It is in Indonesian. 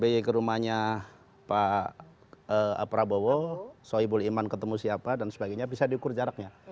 pak sby ke rumahnya pak prabowo soebul iman ketemu siapa dan sebagainya bisa diukur jaraknya